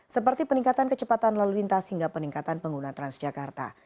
seperti peningkatan kecepatan lalu lintas hingga peningkatan pengguna transjakarta